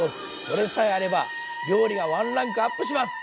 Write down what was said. これさえあれば料理がワンランクアップします！